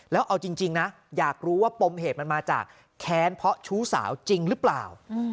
แล้วเอาจริงนะอยากรู้ว่าปมเหตุมันมาจากแค้นเพราะชู้สาวจริงหรือเปล่า